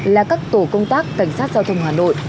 là các tổ công tác cảnh sát giao thông hà nội